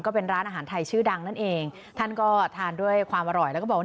เป็นร้านอาหารไทยชื่อดังนั่นเองท่านก็ทานด้วยความอร่อยแล้วก็บอกว่า